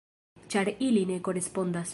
Ĉar ili ne korespondas.